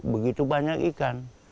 begitu banyak ikan